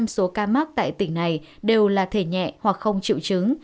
chín mươi năm số ca mắc tại tỉnh này đều là thể nhẹ hoặc không triệu chứng